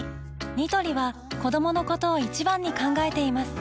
ニトリは子どものことを一番に考えています